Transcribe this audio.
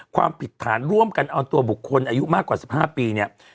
ความผิดฐานร่วมกันเอาตัวบุคคลอายุมากกว่า๑๕ปีเนี่ย